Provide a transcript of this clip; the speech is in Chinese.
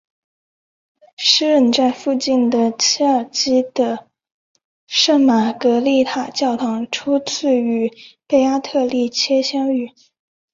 诗人在附近的切尔基的圣玛格丽塔教堂初次与贝阿特丽切相遇。